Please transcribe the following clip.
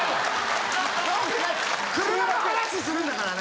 車の話するんだからね。